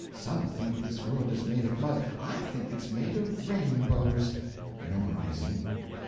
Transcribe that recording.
Some think this world is made of mud; I think it's made of rainbows. (Memorising.)